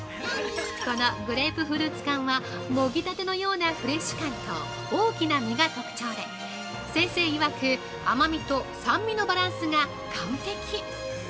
このグレープフルーツ缶はもぎたてのようなフレッシュ感と大きな身が特徴で先生いわく甘みと酸味のバランスが完璧。